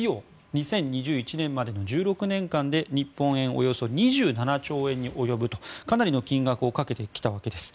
２０２１年までの１６年間で日本円でおよそ２７兆円に及ぶかなりの金額をかけてきたわけです。